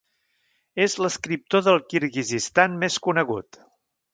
És l'escriptor de Kirguizistan més conegut.